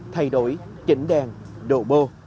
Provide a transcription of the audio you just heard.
thay đổi chỉnh đèn độ bô